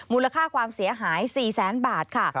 มูลค่าความเสียหาย๔แสนบาทค่ะ